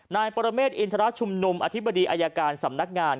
นายปรเมฆอินทรชุมนุมอธิบดีอายการสำนักงาน